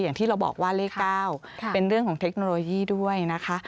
อย่างที่เราบอกว่าเลข๙เป็นเรื่องของเทคโนโลยีด้วยนะคะ